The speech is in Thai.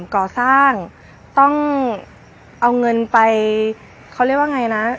ก่อสร้างต้องเอาเงินไปเขาเรียกว่าไงนะ